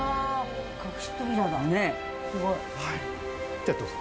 じゃあどうぞ。